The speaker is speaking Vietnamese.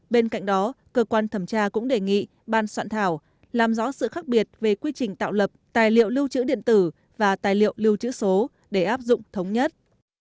bên cạnh đó cơ quan thẩm tra cũng đề nghị ban soạn thảo làm rõ sự khác biệt về quy trình tạo lập tài liệu lưu trữ điện tử và tài liệu lưu trữ số để áp dụng thống nhất